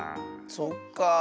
そっかあ。